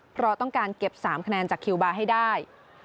เพราะต้องการเก็บ๓คะแนนจากคิวบาร์ให้ได้